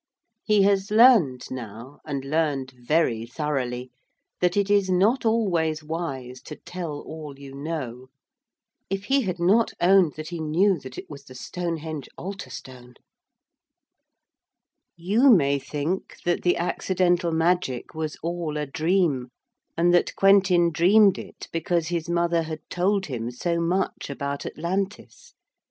He has learned now, and learned very thoroughly, that it is not always wise to tell all you know. If he had not owned that he knew that it was the Stonehenge altar stone! You may think that the accidental magic was all a dream, and that Quentin dreamed it because his mother had told him so much about Atlantis.